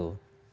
dari orang itu